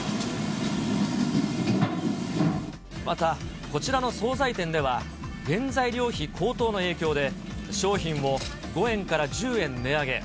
また、こちらの総菜店では原材料費高騰の影響で、商品を５円から１０円値上げ。